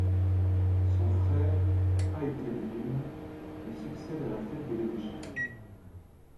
Son frère Æthelwine lui succède à la tête de l'évêché.